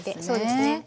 そうですね